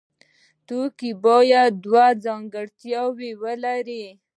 توکی باید دوه ځانګړتیاوې ولري.